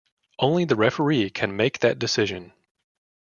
Only the referee can make that decision.